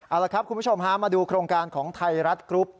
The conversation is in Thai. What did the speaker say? เอาละครับคุณผู้ชมฮะมาดูโครงการของไทยรัฐกรุ๊ป